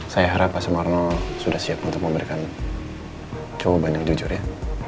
saya harap pak sumarno sudah siap untuk memberikan jawaban yang jujur ya